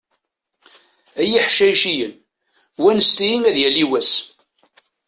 Ay iḥcayciyen, wanset-iyi ad yali wass.